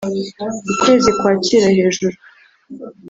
ukwezi kwakira hejuru,